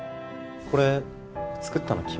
これ作ったの君？